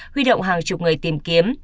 huy động hàng chục người tìm kiếm